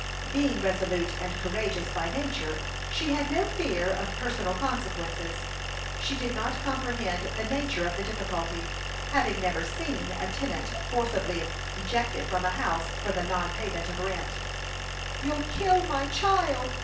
Being resolute and courageous by nature, she had no fear of personal consequences. She did not comprehend the nature of the difficulty, having never seen a tenant forcibly ejected from a house for the non payment of rent. "You'll kill my child!